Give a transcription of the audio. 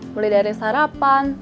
mulai dari sarapan